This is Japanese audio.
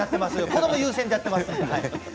子ども優先でやっています。